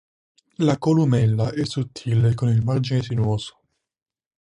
La columella è sottile e con il margine sinuoso.